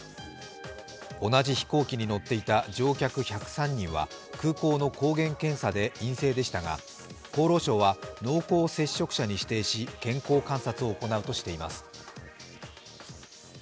同じ飛行機に乗っていた乗客１０３人は空港の抗原検査で陰性でしたが、厚労省は、濃厚接触者に指定し健康観察を行うとしています。